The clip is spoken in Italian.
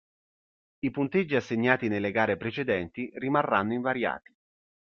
I punteggi assegnati nelle gare precedenti rimarranno invariati.